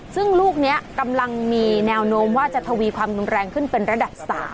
ซึ่งลูกนี้กำลังมีแนวโน้มว่าจะทวีความรุนแรงขึ้นเป็นระดับ๓